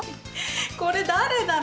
これ誰だろ？